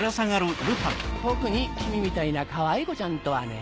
特に君みたいなかわい子ちゃんとはね。